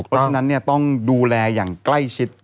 เพราะฉะนั้นต้องดูแลอย่างใกล้ชิด